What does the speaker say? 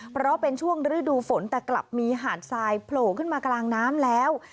เพราะเป็นช่วงฤดูฝนแต่กลับมีหาดทรายโผล่ขึ้นมากลางน้ำแล้ว